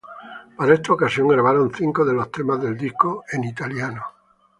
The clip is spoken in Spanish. Para esta ocasión, grabaron cinco de los temas del disco en idioma italiano.